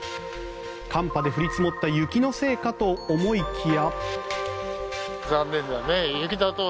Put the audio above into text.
寒波で降り積もった雪のせいかと思いきや。